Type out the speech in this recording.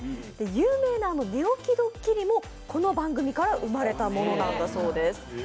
有名な寝起きどっきりもこの番組から生まれたものなんだそうです。